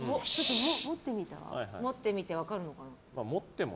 持ってみて分かるのかな？